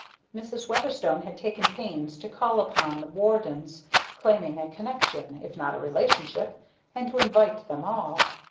Mrs. Weatherstone had taken pains to call upon the Wardens claiming a connection, if not a relationship, and to invite them all.